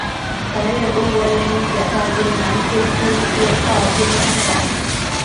曾任中国人民解放军南京军区炮兵参谋长。